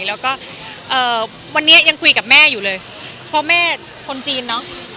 แล้วก็เอ่อวันนี้ยังคุยกับแม่อยู่เลยเพราะแม่คนจีนเนอะ